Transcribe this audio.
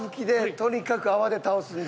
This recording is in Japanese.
とにかく泡で倒すんだ。